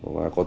và có thể